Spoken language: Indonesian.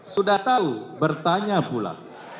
sudah tahu bertanya pula